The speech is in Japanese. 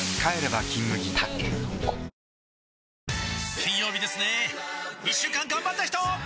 金曜日ですね一週間がんばった人！